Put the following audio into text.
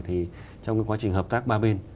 thì trong cái quá trình hợp tác ba bên